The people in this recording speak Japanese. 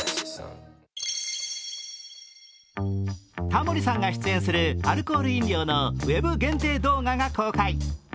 タモリさんが出演するアルコール飲料のウェブ限定動画が公開。